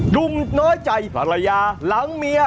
ุ่มน้อยใจภรรยาหลังเมีย